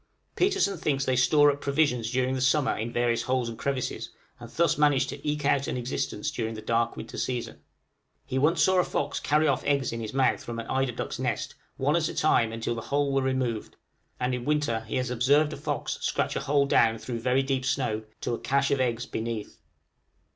Petersen thinks they store up provisions during the summer in various holes and crevices, and thus manage to eke out an existence during the dark winter season; he once saw a fox carry off eggs in his mouth from an eider duck's nest, one at a time, until the whole were removed; and in winter he has observed a fox scratch a hole down through very deep snow, to a câche of eggs beneath.